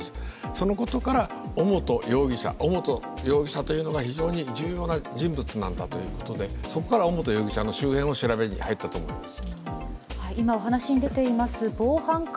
そのことから、尾本容疑者というのが非常に重要な人物なんだということでそこから尾本容疑者の周辺を調べに入ったと思います。